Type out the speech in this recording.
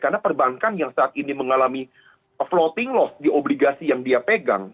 karena perbankan yang saat ini mengalami floating loss di obligasi yang dia pegang